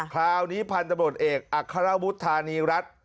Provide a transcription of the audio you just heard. คราวนี้พันธ์ตำรวจเอกอัคคาราวุทธานีรัฐ